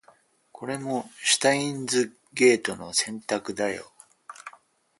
これもシュタインズゲートの選択だよ